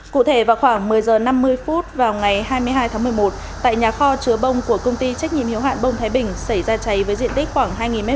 cụ thể vào khoảng một mươi h năm mươi vào ngày hai mươi hai tháng một mươi một tại nhà kho chứa bông của công ty trách nhiệm hiếu hạn bông thái bình xảy ra cháy với diện tích khoảng hai m hai